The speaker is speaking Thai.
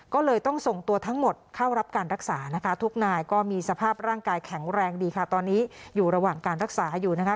ก็เลยต้องส่งตัวทั้งหมดเข้ารับการรักษานะคะทุกนายก็มีสภาพร่างกายแข็งแรงดีค่ะตอนนี้อยู่ระหว่างการรักษาอยู่นะคะ